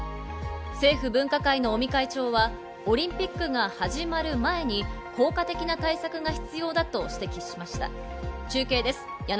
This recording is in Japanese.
政府分科会の尾身会長はオリンピックが始まる前に効果的な対策が必要だと指摘しました。